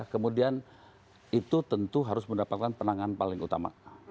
kemudian itu tentu harus mendapatkan penanganan paling utama